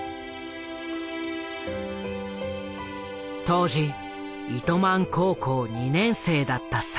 当時糸満高校２年生だった栽。